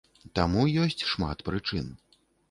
Таму ёсць шмат прычын.